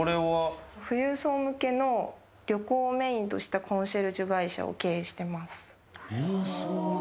富裕層向けの旅行をメインとしたコンシェルジュ会社を経営しています。